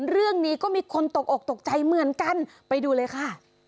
เรื่องนี้ก็มีคนตกอกตกใจเหมือนกันไปดูเลยค่ะ